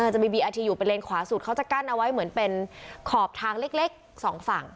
จะมีบีอาทีอยู่เป็นเลนขวาสุดเขาจะกั้นเอาไว้เหมือนเป็นขอบทางเล็กสองฝั่ง